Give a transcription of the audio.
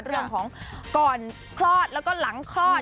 เรื่องของก่อนคลอดแล้วก็หลังคลอด